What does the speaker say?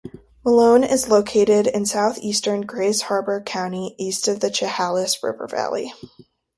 Malone is located in southeastern Grays Harbor County, east of the Chehalis River valley.